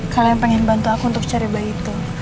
kalian pengen bantu aku untuk cari bayi itu